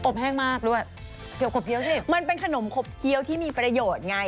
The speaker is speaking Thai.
แห้งมากด้วยเกี่ยวขบเคี้ยสิมันเป็นขนมขบเคี้ยวที่มีประโยชน์ไง